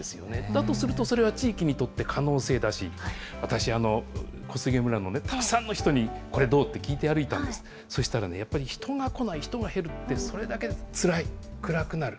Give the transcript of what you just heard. だとすると、それは地域にとって可能性だし、私、小菅村のたくさんの人にこれどう？って聞いて歩いたんです、そしたらね、人が来ない、人がいないって、それだけでつらい、暗くなる。